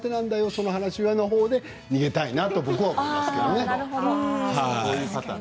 その話はで逃げたいなと思いますけどね。